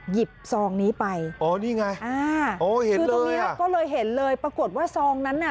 หยิบซองนี้ไปอ๋อนี่ไงอ๋อเห็นเลยก็เลยเห็นเลยปรากฏว่าซองนั้น